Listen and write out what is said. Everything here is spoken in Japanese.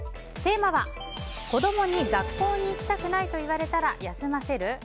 テーマは子供に「学校に行きたくない」と言われたら休ませる？